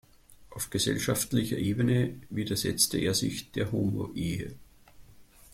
Auf gesellschaftlicher Ebene widersetzte er sich der Homo-Ehe.